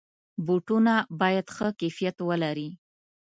بوټونه باید ښه کیفیت ولري.